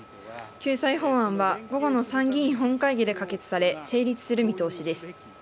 救済法案は午後の参議院本会議で可決され成立する見通しです。